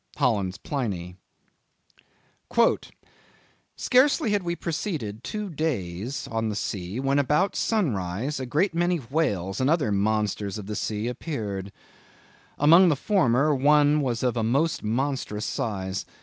—Holland's Pliny. "Scarcely had we proceeded two days on the sea, when about sunrise a great many Whales and other monsters of the sea, appeared. Among the former, one was of a most monstrous size....